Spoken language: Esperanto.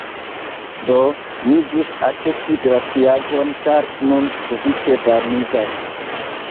Do, mi ĵus aĉetis glaciaĵon ĉar nun sufiĉe varmiĝas